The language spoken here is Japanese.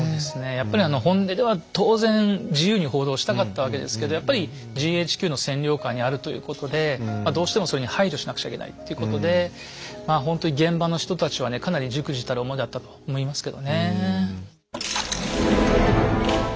やっぱり本音では当然自由に報道したかったわけですけどやっぱりＧＨＱの占領下にあるということでどうしてもそれに配慮しなくちゃいけないってことでほんとに現場の人たちはねかなり忸怩たる思いだったと思いますけどねえ。